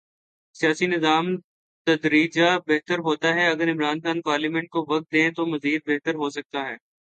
سیاسی نظام تدریجا بہتر ہوتا ہے اگر عمران خان پارلیمنٹ کو وقت دیں تو مزید بہتر ہو سکتا ہے۔